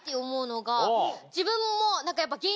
自分も。